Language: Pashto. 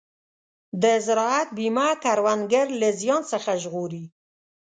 د زراعت بیمه کروندګر له زیان څخه ژغوري.